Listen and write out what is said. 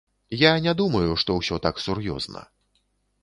Я не думаю, што ўсё так сур'ёзна.